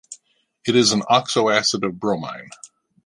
It is an oxoacid of bromine.